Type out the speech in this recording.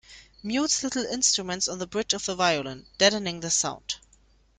Mutes little instruments on the bridge of the violin, deadening the sound.